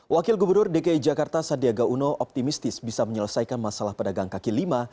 wakil gubernur dki jakarta sandiaga uno optimistis bisa menyelesaikan masalah pedagang kaki lima